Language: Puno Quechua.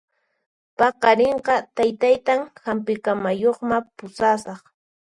Paqarinqa taytaytan hampi kamayuqman pusasaq